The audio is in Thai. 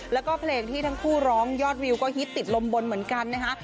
แล้วก็เพลงที่ทั้งคู่ร้องยอดวิวก็ฮิตติดลมบนเหมือนกันนะคะ